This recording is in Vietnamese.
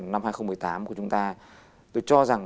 năm hai nghìn một mươi tám của chúng ta tôi cho rằng